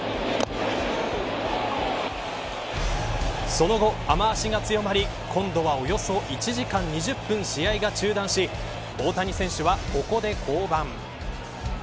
その後、雨脚が強まり今度はおよそ１時間２０分試合が中断し大谷選手はここで降板。